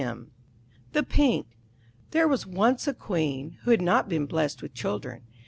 The Pink There was once a Queen, who had not been blessed with children.